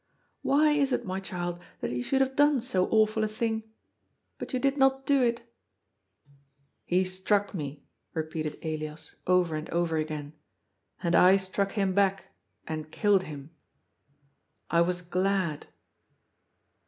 Wiy is it, my child, that you should have done so awful a thing ? But you did not do it" KOOPSTAD CACKLES. 435 " He struck me," repeated Elias over and over again, "and I struck him. back, and killed him. I was glad."